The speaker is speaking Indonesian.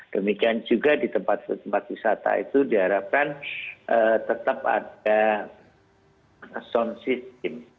demikian juga di tempat tempat wisata itu diharapkan tetap ada sound system